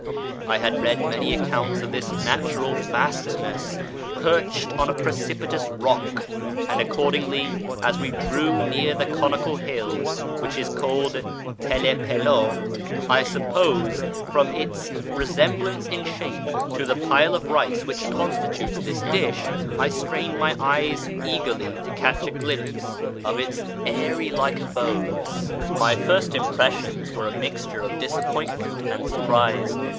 I had read many accounts of this natural fastness, perched on a pre cipitous rock, and accordingly, as we drew near the conical hill (which is called TeU 2nldw, I suppose from its resemblance in shape to tlie pile of rice which constitutes this dish), I strained my eyes eagerly to catch a glimpse of its eyry like abodes. My first impressions were a mixture of disappointment and surprise.